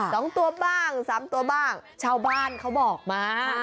สองตัวบ้างสามตัวบ้างชาวบ้านเขาบอกมา